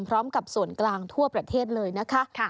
สำหรับส่วนกลางทั่วประเทศเลยนะคะ